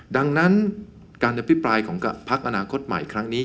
ดังนั้นการอภิปรายของพักอนาคตใหม่ครั้งนี้